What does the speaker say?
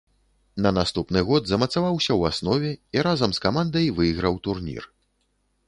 На наступны год замацаваўся ў аснове і разам з камандай выйграў турнір.